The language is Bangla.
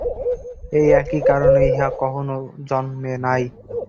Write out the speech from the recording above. এই একই কারণে ইহা কখনও জন্মে নাই।